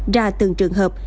ra từng trường hợp